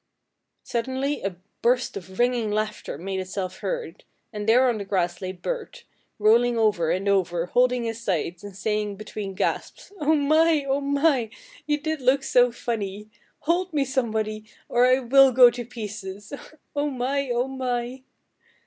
Suddenly a burst of ringing laughter made itself heard, and there on the grass lay Bert, rolling over and over, holding his sides and saying between gasps, "Oh, my! Oh, my! you did look so funny! Hold me, somebody, or I will go to pieces. Oh, my! Oh, my!"